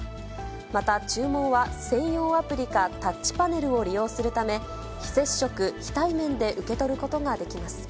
また、注文は専用アプリかタッチパネルを利用するため、非接触、非対面で受け取ることができます。